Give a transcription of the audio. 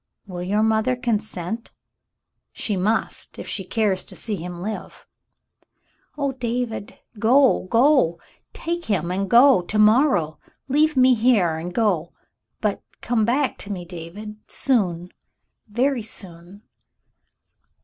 Will your mother consent ? She must, if she cares to see him live." " Oh, David ! Go, go. Take him and go to morrow. Leave me here and go — but — come back to me, David, soon — very soon.